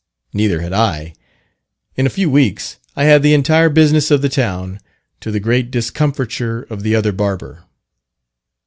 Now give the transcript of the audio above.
Neither had I. In a few weeks I had the entire business of the town, to the great discomfiture of the other barber.